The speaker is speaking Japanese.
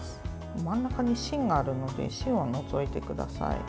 真ん中に芯があるので芯は除いてください。